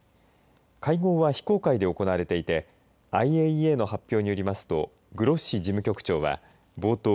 会合は、非公開で行われていてＩＡＥＡの発表によりますとグロッシ事務局長は冒頭